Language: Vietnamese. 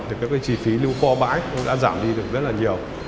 thì các cái chi phí lưu kho bãi cũng đã giảm đi được rất là nhiều